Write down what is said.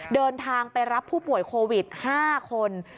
เดินทางไปรับผู้ป่วยโควิด๕คน